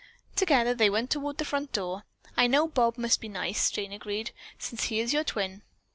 Together they went toward the front door. "I know Bob must be nice," Jane agreed, "since he is your twin."